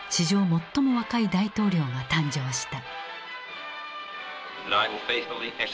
最も若い大統領が誕生した。